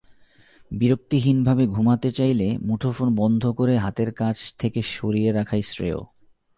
বিরক্তিহীনভাবে ঘুমাতে চাইলে মুঠোফোন বন্ধ করে হাতের কাছ থেকে সরিয়ে রাখাই শ্রেয়।